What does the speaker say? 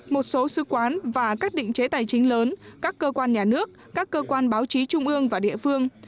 một số sư quán và các định chế tài chính lớn các cơ quan nhà nước các cơ quan báo chí trung ương và địa phương